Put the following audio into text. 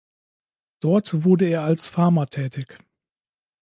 Dort wurde er als Farmer tätig.